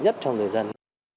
nhất trong người dân